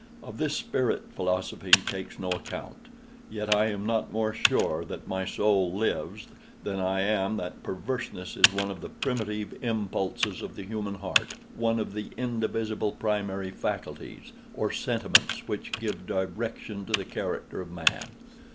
Of this spirit philosophy takes no account. Yet I am not more sure that my soul lives, than I am that perverseness is one of the primitive impulses of the human heart—one of the indivisible primary faculties, or sentiments, which give direction to the character of Man.